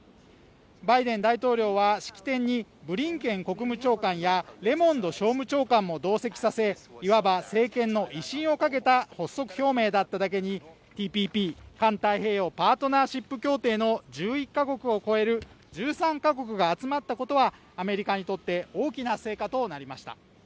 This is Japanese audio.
バイデン大統領は式典にブリンケン国務長官やレモンド商務長官も同席させ、いわば政権の威信をかけた発足表明だっただけに、ＴＰＰ＝環太平洋パートナーシップ協定の１１カ国を超える１３カ国が集まったことはアメリカにとって大きな成果となりました。